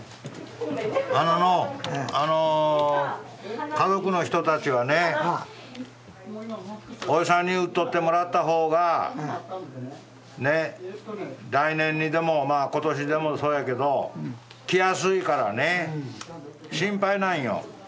あののうあの家族の人たちはねおじさんに打っとってもらった方がねっ来年にでも今年でもそうやけど来やすいからね心配なんよ。